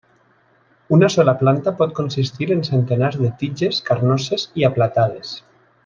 Una sola planta pot consistir en centenars de tiges carnoses i aplatades.